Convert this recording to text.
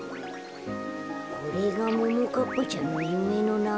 これがももかっぱちゃんのゆめのなか？